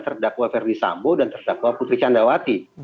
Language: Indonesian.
terdakwa ferdi sambo dan terdakwa putri candrawati